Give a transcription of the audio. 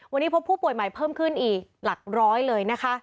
วันนี้พบผู้ป่วยใหม่เพิ่มขึ้นอีกหลักร้อยเลยนะคะ